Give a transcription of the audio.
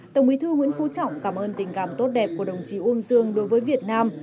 tổng bí thư nguyễn phú trọng cảm ơn tình cảm tốt đẹp của đồng chí uông dương đối với việt nam